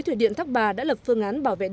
thủy điện thác bà thuộc huyện yên bái